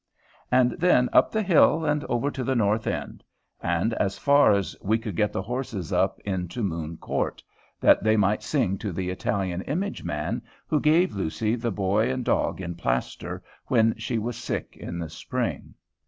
And then up the hill and over to the North End, and as far as we could get the horses up into Moon Court, that they might sing to the Italian image man who gave Lucy the boy and dog in plaster, when she was sick in the spring.